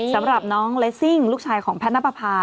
สำหรับน้องเลสซิ่งลูกชายของแพทย์นับประพา